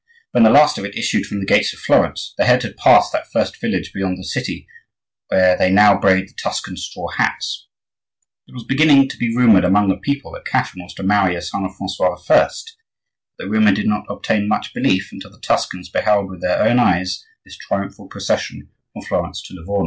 When the last of it issued from the gates of Florence the head had passed that first village beyond the city where they now braid the Tuscan straw hats. It was beginning to be rumored among the people that Catherine was to marry a son of Francois I.; but the rumor did not obtain much belief until the Tuscans beheld with their own eyes this triumphal procession from Florence to Livorno.